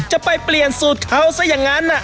จะไปเปลี่ยนสูตรเขาซะอย่างนั้น